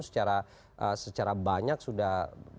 secara banyak sudah